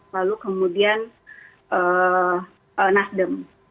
lalu kemudian nasdem